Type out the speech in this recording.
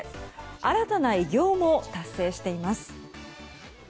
新たな偉業も達成しています。